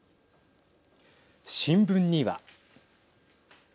新聞には。